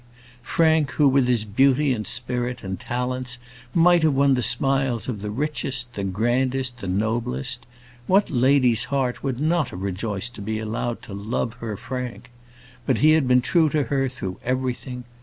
Frank, who with his beauty, and spirit, and his talents might have won the smiles of the richest, the grandest, the noblest! What lady's heart would not have rejoiced to be allowed to love her Frank? But he had been true to her through everything.